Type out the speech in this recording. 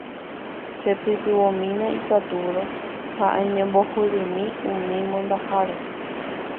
Chepytyvõmína ikatúrõ ha eñembohorymi umi mondaháre.